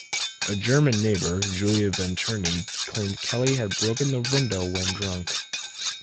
A German neighbour, Julia Venturney, claimed Kelly had broken the window when drunk.